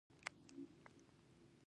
پوځي ډسپلین کاملاً له منځه لاړ.